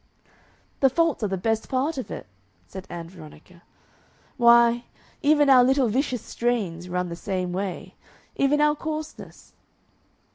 "The faults are the best part of it," said Ann Veronica; "why, even our little vicious strains run the same way. Even our coarseness."